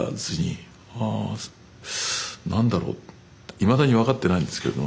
いまだに分かってないんですけれども。